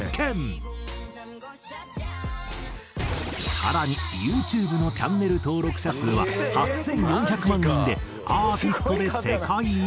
更にユーチューブのチャンネル登録者数は８４００万人でアーティストで世界一。